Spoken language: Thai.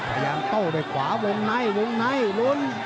พยายามโต้ไปขวาวงไหนวงไหนลุ้น